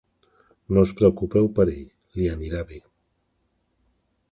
No us preocupeu per ell, li anirà bé.